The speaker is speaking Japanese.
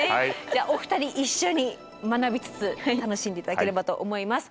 じゃあお二人一緒に学びつつ楽しんで頂ければと思います。